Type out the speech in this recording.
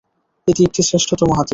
এটি একটি শ্রেষ্ঠতম হাতিয়ার।